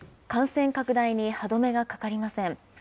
感染拡大に歯止めがかかりません。